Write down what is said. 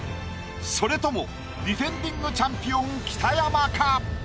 それともディフェンディングチャンピオン北山か？